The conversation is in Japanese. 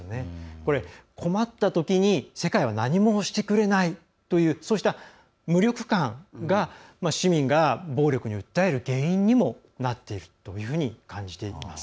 これは困ったときに世界は何もしてくれないというそうした無力感が市民が暴力に訴える原因にもなっているというふうに感じています。